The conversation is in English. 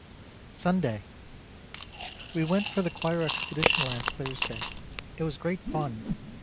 Sunday. We went for the choir expedition last Thursday. It was _great fun.